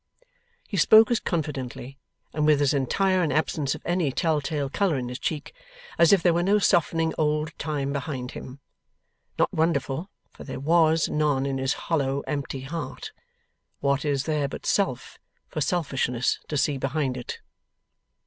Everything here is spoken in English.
He spoke as confidently, and with as entire an absence of any tell tale colour in his cheek, as if there were no softening old time behind him. Not wonderful, for there WAS none in his hollow empty heart. What is there but self, for selfishness to see behind it?